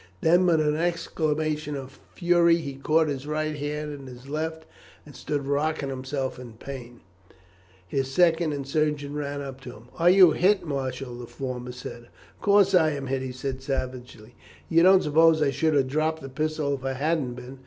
Then, with an exclamation of fury, he caught his right hand in his left, and stood rocking himself in pain. His second and the surgeon ran up to him. "Are you hit, Marshall?" the former said. "Of course I am hit," he said savagely. "You don't suppose I should have dropped the pistol if I hadn't been.